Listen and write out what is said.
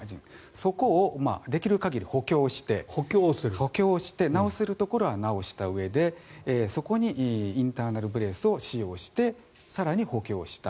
そこをできる限り補強をして治せるところは治したうえでそこにインターナル・ブレースを使用して更に補強した。